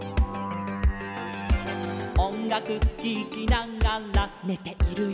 「おんがくききながらねているよ」